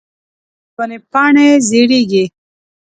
د ونو پاڼی زیړیږې